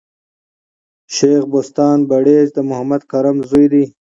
شېخ بُستان بړیځ د محمد کرم زوی دﺉ.